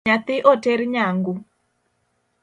Nyathi oter nyangu?